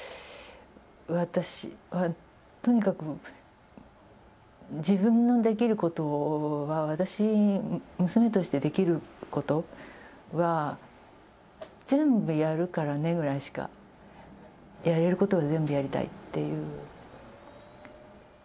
私は、とにかく、自分のできることは、私、娘としてできることは、全部やるからねぐらいしか、やれることは全部やりたいっていう。